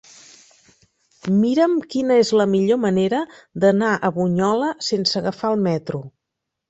Mira'm quina és la millor manera d'anar a Bunyola sense agafar el metro.